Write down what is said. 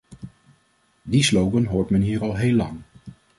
Die slogan hoort men hier al heel lang.